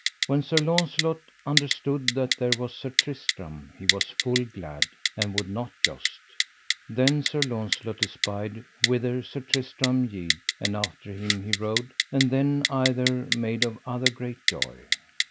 When Sir Launcelot under stood that there was Sir Tristram he was full glad, and would not joust. Then Sir Launcelot espied whither Sir Tristram yede, and after him he rode; and then either made of other great joy.